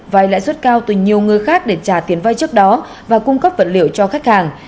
vay lãi suất cao từ nhiều người khác để trả tiền vay trước đó và cung cấp vật liệu cho khách hàng